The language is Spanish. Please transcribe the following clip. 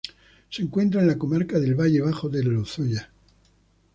Se encuentra en la Comarca del Valle Bajo del Lozoya.